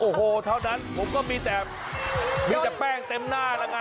โอ้โหเท่านั้นผมก็มีแต่แป้งเต็มหน้านะ